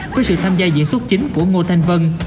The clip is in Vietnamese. với sự tham gia diễn xuất chính của ngô thanh vân